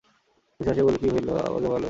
শশী হাসিয়া বলিল, কী আবার হল তোমার?